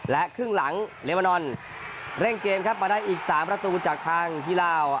และครึ่งหลังเลเวอร์นอนเร่งเกมครับมาได้อีก๓ประตูจากทางฮีลาว